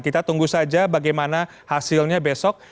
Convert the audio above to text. kita tunggu saja bagaimana hasilnya besok